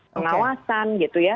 pengawasan gitu ya